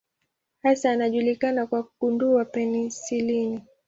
Hasa anajulikana kwa kugundua penisilini.